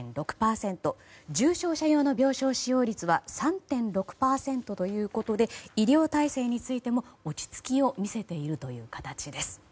重症者用の病床使用率は３．６％ということで医療体制についても落ち着きを見せている形です。